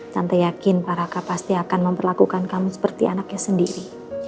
santai yakin para kak pasti akan memperlakukan kamu seperti anaknya sendiri